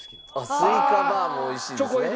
スイカバーも美味しいですね。